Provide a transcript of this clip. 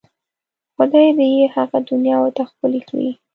خدای دې یې هغه دنیا ورته ښکلې کړي.